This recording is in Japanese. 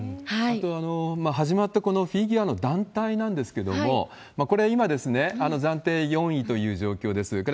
あと、始まったこのフィギュアの団体なんですけれども、これ、今暫定４位という状況です。